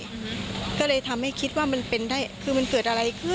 สิ่งที่ติดใจก็คือหลังเกิดเหตุทางคลินิกไม่ยอมออกมาชี้แจงอะไรทั้งสิ้นเกี่ยวกับความกระจ่างในครั้งนี้